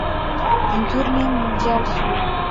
Une tournée mondiale suit.